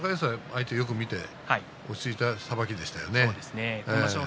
高安はよく相手を見て落ち着いたさばきでしたね。